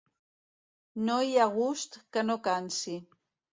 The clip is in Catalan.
No hi ha gust que no cansi.